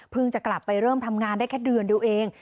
จะกลับไปเริ่มทำงานได้แค่เดือนเดียวเอง